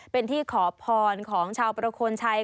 เป็นที่ขอพรของชาวประโคนชัย